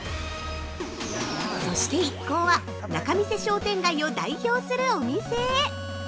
そして一行は仲見世商店街を代表するお店へ。